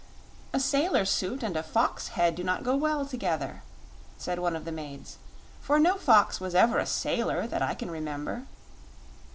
"A sailor suit and a fox head do not go well together," said one of the maids, "for no fox was ever a sailor that I can remember."